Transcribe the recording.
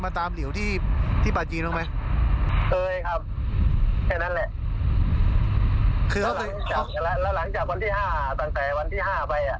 ผมพูดแค่นี้นะผมพูดไปไหนแค่นี้จบนะ